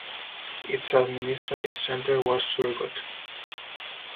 Its administrative centre was Surgut.